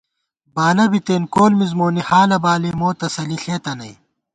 بالہ بِتېن کول مِز مونی حالہ بالی مو تسلی ݪېتہ نئ